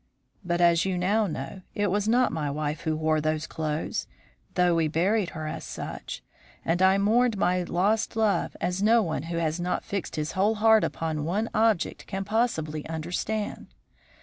But, as you now know, it was not my wife who wore these clothes, though we buried her as such, and I mourned my lost love as no one who has not fixed his whole heart upon one object can possibly understand.